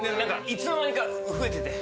いつの間にか増えてて。